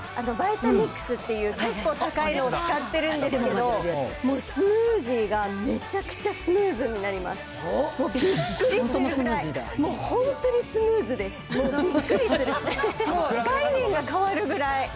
バイタミックスっていう、結構高いのを使ってるんですけど、もうスムージーがめちゃくちゃスムーズになります、もうびっくりするぐらい。